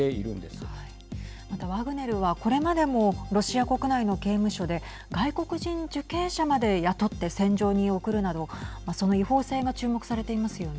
また、ワグネルはこれまでもロシア国内の刑務所で外国人受刑者まで雇って戦場に送るなどその違法性が注目されていますよね。